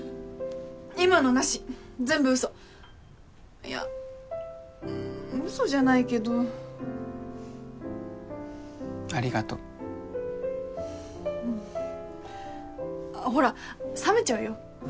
今のなし全部ウソいやうんウソじゃないけどありがとううんあっほら冷めちゃうよ